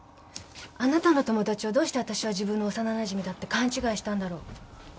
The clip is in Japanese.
あなたの友達をどうしてあたしは自分の幼なじみだって勘違いしたんだろう？